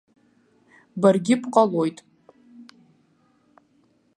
Баргьы бҟалоит.